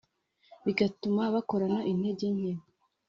bigatuma bakorana intege nke